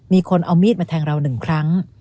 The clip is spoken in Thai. มีคนเอามีดมาแทงเรา๑ครั้ง